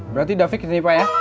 berarti udah fixed ini pak ya